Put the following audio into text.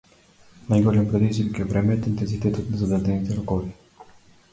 Најголем предизвик е времето и интензитетот на зададените рокови.